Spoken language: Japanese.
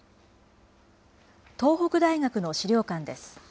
東北大学の史料館です。